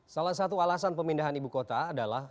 salah satu alasan pemindahan ibu kota adalah